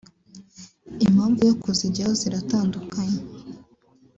Impamvu yo kuzijyaho ziratandukanye